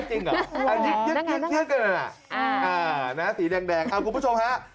จริงหรอยังไงอ่ะสีแดงคุณผู้ชมฮะ